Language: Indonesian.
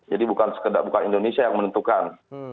jadi bukan sekedar bukan indonesia yang menentukan